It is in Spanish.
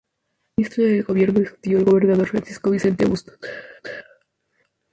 Fue ministro de gobierno de su tío, el gobernador Francisco Vicente Bustos.